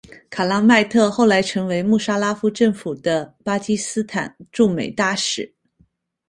卡拉麦特后来成为穆沙拉夫政府的巴基斯坦驻美大使。